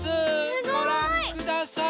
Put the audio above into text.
ごらんください。